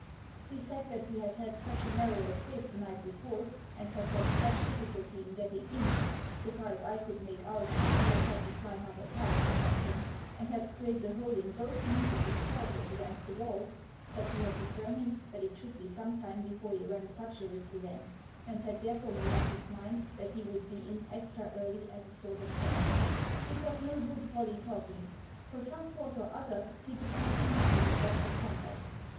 He said that he had had such a narrow escape the night before, and had had such difficulty in getting in — so far as I could make out he had had to climb up a pipe, or something, and had scraped a hole in both knees of his trousers against the wall — that he had determined that it should be some time before he ran such a risk again, and had therefore made up his mind that he would be in extra early as a sort of set off. It was no good Pollie talking. For some cause or other he did not seem to be in the best of tempers.